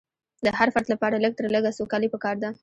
د هر فرد لپاره لږ تر لږه سوکالي پکار ده.